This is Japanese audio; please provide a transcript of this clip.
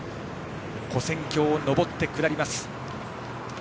跨線橋を上って下ります。